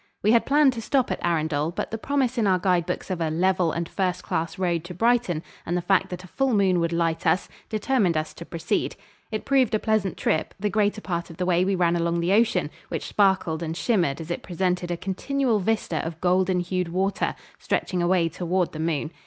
We had planned to stop at Arundel, but the promise in our guide books of a "level and first class" road to Brighton, and the fact that a full moon would light us, determined us to proceed. It proved a pleasant trip; the greater part of the way we ran along the ocean, which sparkled and shimmered as it presented a continual vista of golden hued water stretching away toward the moon.